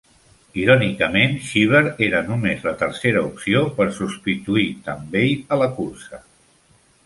Irònicament, Cheever era només la tercera opció per substituir Tambay a la cursa.